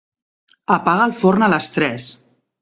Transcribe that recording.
Apaga el forn a les tres.